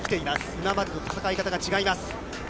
今までと戦い方が違います。